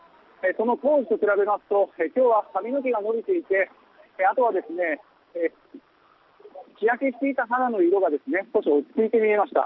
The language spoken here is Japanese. その当時と比べますと今日は髪の毛が伸びていてあとは日焼けしていた肌の色が少し落ち着いて見えました。